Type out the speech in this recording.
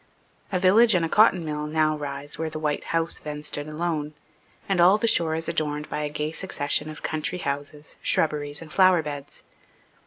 A village and a cotton mill now rise where the white house then stood alone; and all the shore is adorned by a gay succession of country houses, shrubberies and flower beds.